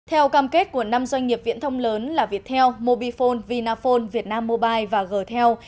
theo cam kết của năm doanh nghiệp viễn thông lớn là viettel mobifone vinaphone vietnam mobile và gtel